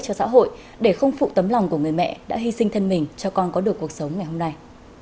chúc phụ tấm lòng của người mẹ đã hy sinh thân mình cho con có được cuộc sống ngày hôm nay